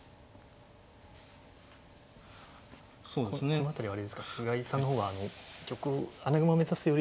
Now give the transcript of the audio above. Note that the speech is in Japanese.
この辺りはあれですか菅井さんの方は玉穴熊目指すよりは。